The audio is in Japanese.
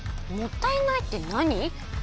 「もったいない」ってなに？